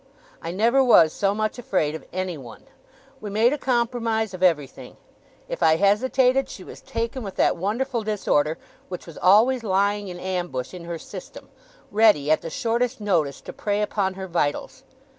I never was so much afraid of anyone. We made a compromise of everything. If I hesitated, she was taken with that wonderful disorder which was always lying in ambush in her system, ready, at the shortest notice, to prey upon her vitals.